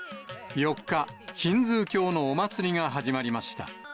４日、ヒンズー教のお祭りが始まりました。